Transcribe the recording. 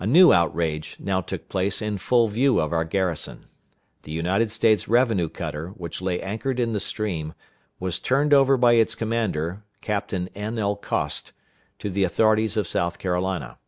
A new outrage now took place in full view of our garrison. The United States revenue cutter, which lay anchored in the stream, was turned over by its commander, Captain N.L. Coste, to the authorities of South Carolina.